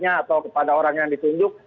atau kepada orang yang ditunjuk